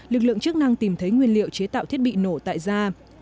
lực lượng chức năng tìm thấy nguyên liệu chế tạo thiết bị nổ tại ra